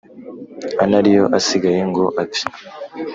anariyo asigaye ngo apfe;